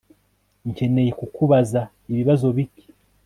Nkeneye kukubaza ibibazo bike